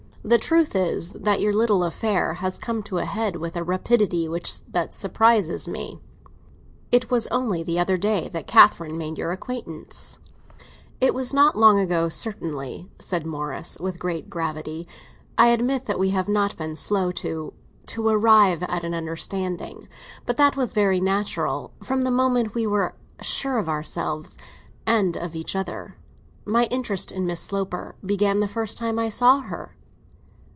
The truth is that your little affair has come to a head with a rapidity that surprises me. It was only the other day that Catherine made your acquaintance." "It was not long ago, certainly," said Morris, with great gravity. "I admit that we have not been slow to—to arrive at an understanding. But that was very natural, from the moment we were sure of ourselves—and of each other. My interest in Miss Sloper began the first time I saw her."